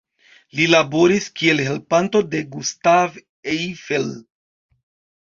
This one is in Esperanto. Li laboris kiel helpanto de Gustave Eiffel.